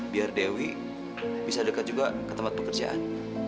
biar dewi bisa dekat juga ke tempat pekerjaan